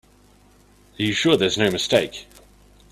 Are you sure there's no mistake?